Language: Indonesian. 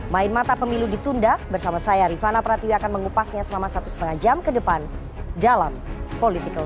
main mata pemilu ditunda bersama saya rifana pratiwi akan mengupasnya selama satu lima jam ke depan dalam political s